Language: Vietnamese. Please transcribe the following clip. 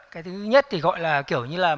cái thứ nhất thì gọi là kiểu như là